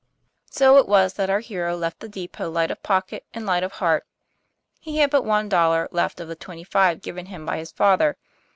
So it was that our hero left the depot light of pocket and light of heart. He had but one dollar left of the twenty five given him by his father.